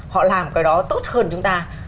họ làm cái đó tốt hơn chúng ta